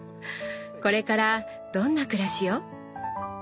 これからどんな暮らしを？